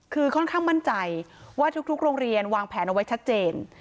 คือค่อนข้างมั่นใจว่าทุกโรงเรียนวางแผนเอาไว้ชัดเจน